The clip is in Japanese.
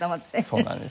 そうなんですよ。